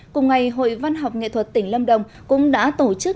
cùng ngày hội văn học nghệ thuật tỉnh lâm đồng cũng đã tổ chức